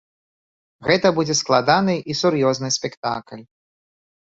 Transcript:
Гэта будзе складаны і сур'ёзны спектакль.